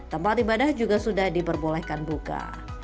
tempat ibadah juga sudah diperbolehkan buka